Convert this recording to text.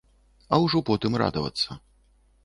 А ўжо потым радавацца.